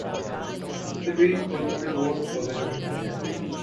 پھر بھی جو تھوڑی بہت غنیمتیں ہیں۔